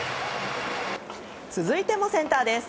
続いてもセンターです。